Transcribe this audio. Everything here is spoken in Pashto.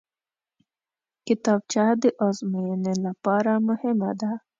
کتابچه د ازموینې لپاره مهمه ده